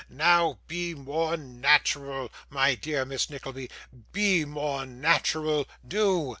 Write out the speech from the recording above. Now, be more natural my dear Miss Nickleby, be more natural do.